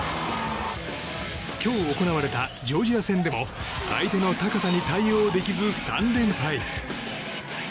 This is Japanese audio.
今日行われたジョージア戦でも相手の高さに対応できず３連敗。